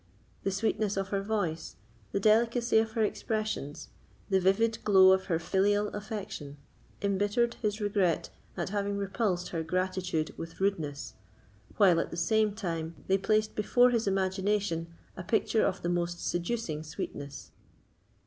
The sweetness of her voice, the delicacy of her expressions, the vivid glow of her filial affection, embittered his regret at having repulsed her gratitude with rudeness, while, at the same time, they placed before his imagination a picture of the most seducing sweetness.